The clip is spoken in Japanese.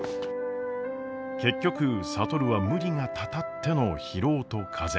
結局智は無理がたたっての疲労と風邪。